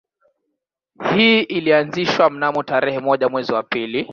Hii ilianzishwa mnamo tarehe moja mwezi wa pili